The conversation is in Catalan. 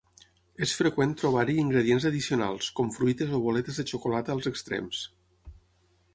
És freqüent trobar-hi ingredients addicionals, com fruites o boletes de xocolata, als extrems.